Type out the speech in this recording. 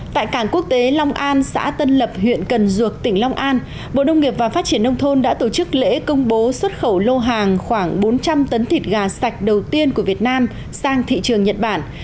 tại cảng quốc tế long an xã tân lập huyện cần duộc tỉnh long an bộ nông nghiệp và phát triển nông thôn đã tổ chức lễ công bố xuất khẩu lô hàng khoảng bốn trăm linh tấn thịt gà sạch đầu tiên của việt nam sang thị trường nhật bản